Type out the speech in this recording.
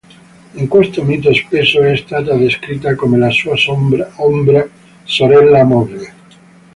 In questo mito spesso è stata descritta come la sua ombra, sorella o moglie.